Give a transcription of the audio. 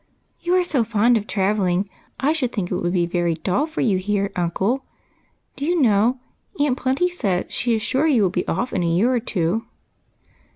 " You are so fond of travelling, I should think it would be very dull for you here, uncle. Do you know. Aunt Plenty says she is sure you will be off in a year or tw^o."